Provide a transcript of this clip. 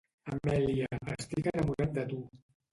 Amèlia, estic enamorat de tu.